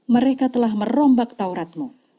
mereka telah merombak tauratmu